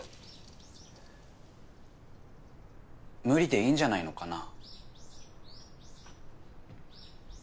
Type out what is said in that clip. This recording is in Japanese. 無理でいいんじゃないのかな。